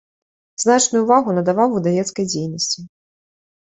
Значную ўвагу надаваў выдавецкай дзейнасці.